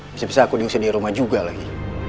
bisa bisa aku diusung di rumah juga lagi